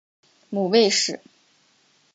母魏氏。